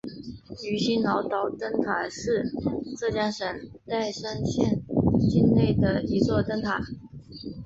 鱼腥脑岛灯塔是浙江省岱山县境内的一座灯塔。